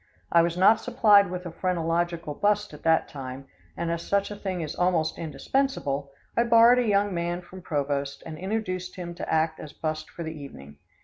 I was not supplied with a phrenological bust at that time, and as such a thing is almost indispensable, I borrowed a young man from Provost and induced him to act as bust for the evening.